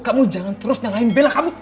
kamu jangan terus nyalahin bella kamu